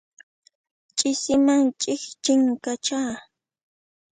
Ch'isiman chikchinqachá.